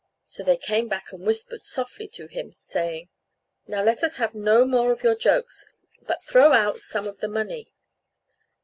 So they came back and whispered softly to him, saying, "Now, let us have no more of your jokes, but throw out some of the money."